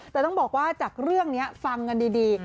แต่ต้องบอกว่าจากเรื่องนี้ฟังกันดี